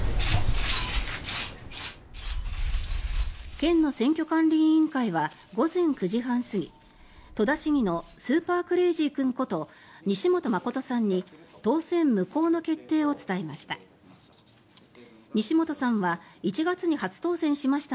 県の選挙管理委員会は午前９時半過ぎ戸田市議のスーパークレイジー君こと西本誠さんに当選無効の決定を伝えました。